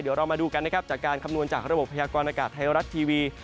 เดี๋ยวเรามาดูกันนะครับจากการคำนวณจากระบบพยากรณากาศไทยรัฐทีวี